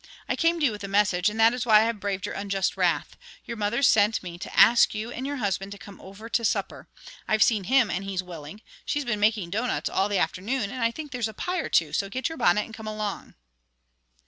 I came to you with a message, and that is why I have braved your unjust wrath. Your mother sent me to ask you and your husband to come over to supper. I've seen him and he's willing. She's been making doughnuts all the afternoon, and I think there's a pie or two, so get your bonnet and come along."